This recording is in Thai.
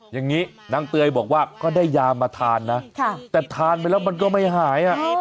อย่างนี้นางเตยบอกว่าก็ได้ยามาทานนะแต่ทานไปแล้วมันก็ไม่หาย